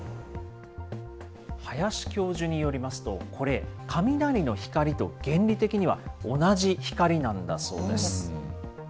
林教授によりますと、これ、雷の光と原理的には同じ光なんだそうです。